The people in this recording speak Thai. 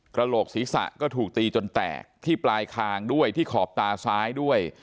โหลกศีรษะก็ถูกตีจนแตกที่ปลายคางด้วยที่ขอบตาซ้ายด้วย